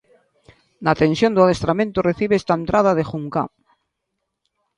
Na tensión do adestramento recibe esta entrada de Juncá.